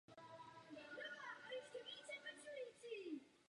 Z těchto důvodů jsem jednoznačně proti této zprávě.